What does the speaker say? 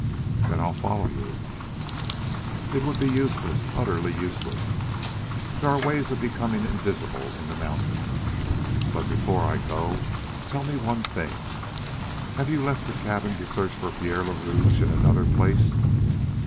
"Then I'll follow you." "It would be useless utterly useless. There are ways of becoming invisible in the mountains. But before I go, tell me one thing: Have you left the cabin to search for Pierre le Rouge in another place?"